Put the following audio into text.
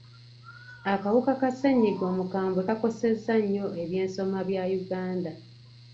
Akawuka ka ssenyiga omukambwe kakoseza nnyo eby'ensoma bya Uganda.